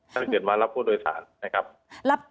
ถ้าเกิดมารับผู้โดยสารนะครับ